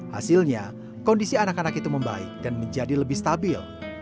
hasilnya kondisi anak anak itu membaik dan menjadi lebih stabil